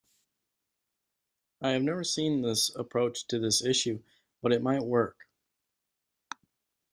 I have never seen this approach to this issue, but it might work.